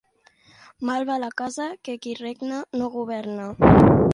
Mal va la casa que qui regna no governa.